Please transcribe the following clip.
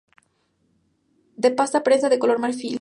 De pasta prensada de color marfil.